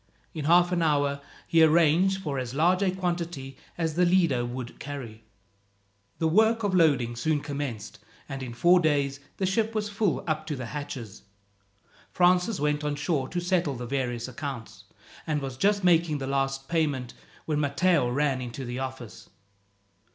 In half an hour he arranged for as large a quantity as the Lido would carry. The work of loading soon commenced, and in four days the ship was full up to the hatches. Francis went on shore to settle the various accounts, and was just making the last payment when Matteo ran into the office.